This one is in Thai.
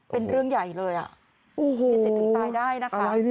เป็นเรื่องใหญ่เลยอ่ะ